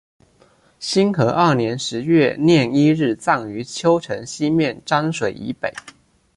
兴和二年十月廿一日葬于邺城西面漳水以北。